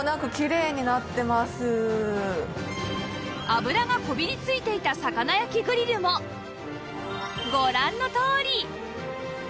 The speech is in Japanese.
油がこびりついていた魚焼きグリルもご覧のとおり